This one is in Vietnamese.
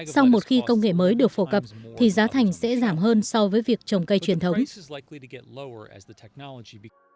sau một khi công nghệ mới được phổ cập thì giá thành sẽ giảm hơn so với việc trồng cây truyền thống